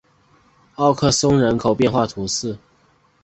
奥克松人口变化图示